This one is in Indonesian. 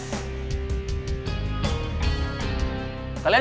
tentang perticiban tives